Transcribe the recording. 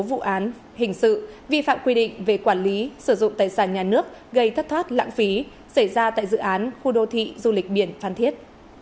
vụ án hình sự vi phạm quy định về quản lý sử dụng tài sản nhà nước gây thất thoát lãng phí xảy ra tại dự án khu đô thị du lịch biển phan thiết